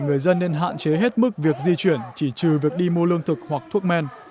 người dân nên hạn chế hết mức việc di chuyển chỉ trừ việc đi mua lương thực hoặc thuốc men